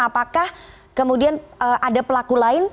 apakah kemudian ada pelaku lain